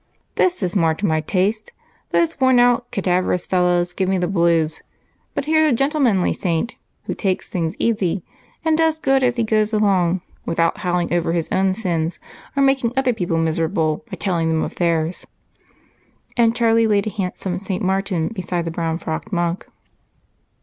"This is more to my taste. Those worn out, cadaverous fellows give me the blues, but here's a gentlemanly saint who takes things easy and does good as he goes along without howling over his own sins or making other people miserable by telling them of theirs." And Charlie laid a handsome St. Martin beside the brown frocked monk.